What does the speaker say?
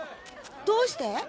どうして？